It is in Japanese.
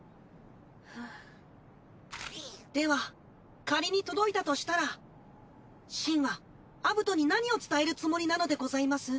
ハァでは仮に届いたとしたらシンはアブトに何を伝えるつもりなのでございます？